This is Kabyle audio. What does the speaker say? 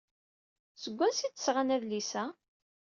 Seg wansi ay d-sɣan adlis-a?